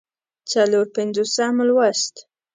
څلور پينځوسم لوست